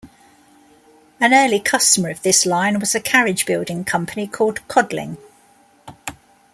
An early customer of this line was a carriage building company called Quadling.